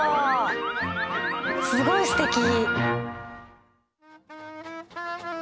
すごいすてき。